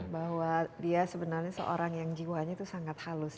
bahwa dia sebenarnya seorang yang jiwanya itu sangat halus